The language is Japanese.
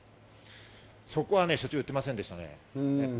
そこは社長、言ってませんでしたね。